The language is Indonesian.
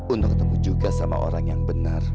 untuk ketemu juga sama orang yang benar